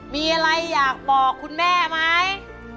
มีอะไรอยากบอกคุณแม่ไหม